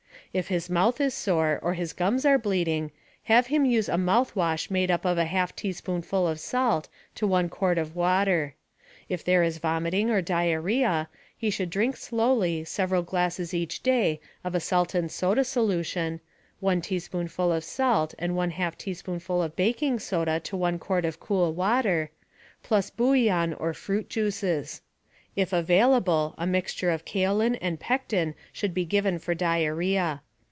If his mouth is sore or his gums are bleeding, have him use a mouth wash made up of a half teaspoonful of salt to 1 quart of water. If there is vomiting or diarrhea, he should drink slowly several glasses each day of a salt and soda solution (one teaspoonful of salt and one half teaspoonful of baking soda to 1 quart of cool water), plus bouillon or fruit juices. If available, a mixture of kaolin and pectin should be given for diarrhea.